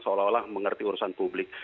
seolah olah mengerti urusan publik